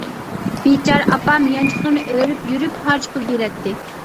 بىچارە ئاپام يانچۇقلىرىنى ئۆرۈپ يۈرۈپ پارچە پۇل بېرەتتى.